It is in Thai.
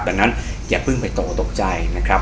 ดังนั้นอย่าเพิ่งไปตกตกใจนะครับ